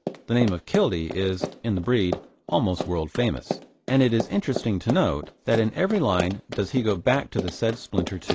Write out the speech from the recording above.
The name of Kildee is, in the breed, almost world famous, and it is interesting to note that in every line does he go back to the said Splinter II.